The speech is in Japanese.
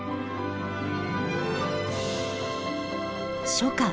初夏。